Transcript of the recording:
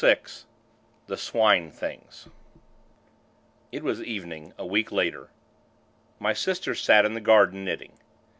VI THE SWINE THINGS It was evening, a week later. My sister sat in the garden, knitting.